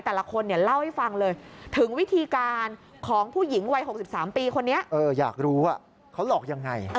แต่ละคนเนี่ยเล่าให้ฟังเลยถึงวิธีการของผู้หญิงวัย๖๓ปีคนนี้อยากรู้ว่าเขาหลอกยังไง